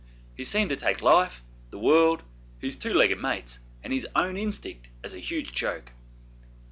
He seemed to take life, the world, his two legged mates, and his own instinct as a huge joke.